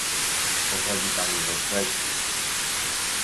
Pochodzi Pani ze Szwecji